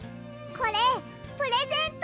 これプレゼント。